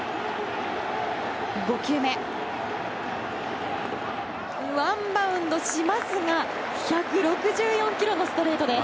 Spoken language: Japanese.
５球目、ワンバウンドしますが１６４キロのストレートです。